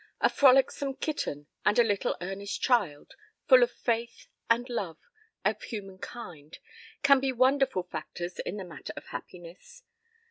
a frolicsome kitten and a little earnest child, full of faith and love of human kind, can be wonderful factors in the matter of happiness.